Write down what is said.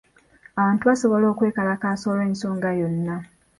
Abantu basobola okwekalakaasa olw'ensonga yonna.